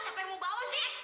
siapa yang mau bawa sih